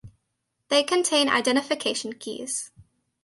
They contain identification keys.